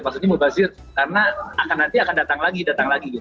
maksudnya mubazir karena nanti akan datang lagi datang lagi